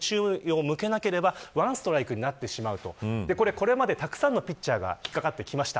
これまでたくさんのピッチャーが引っ掛かってきました。